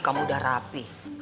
kamu udah rapih